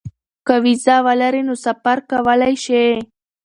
که وېزه ولري نو سفر کولی شي.